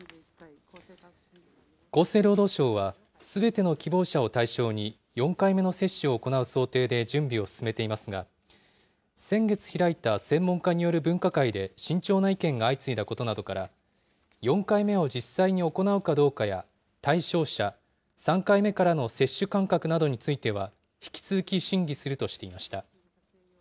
厚生労働省はすべての希望者を対象に４回目の接種を行う想定で準備を進めていますが、先月開いた専門家による分科会で、慎重な意見が相次いだことなどから、４回目を実際に行うかどうかや、対象者、３回目からの接種間隔などについては、引き続き審議するとしていました。